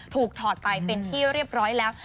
ถอดไปเป็นที่เรียบร้อยแล้ว